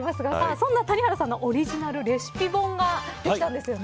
そんな谷原さんのオリジナルレシピ本ができたんですよね。